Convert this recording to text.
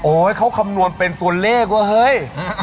เขาคำนวณเป็นตัวเลขว่าเฮ้ย